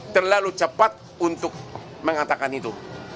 terlalu cepat untuk mengatakan itu